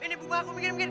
ini bunga aku bikin bikin